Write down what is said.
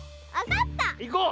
いこう！